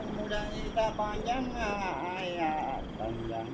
muda kita panjang ayat panjang